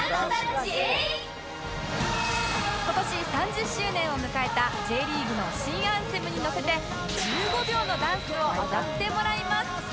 今年３０周年を迎えた Ｊ リーグの新アンセムにのせて１５秒のダンスを踊ってもらいます